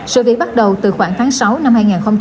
sự việc bắt đầu từ khoảng tháng sáu năm hai nghìn hai mươi